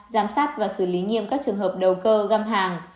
giám sát và xử lý nghiêm các trường hợp đầu cơ găm hàng